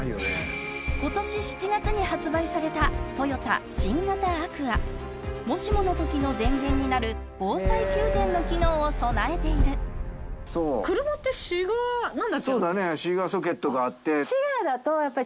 今年７月に発売されたトヨタ新型アクアもしものときの電源になる防災給電の機能を備えている車ってシガー何だっけ？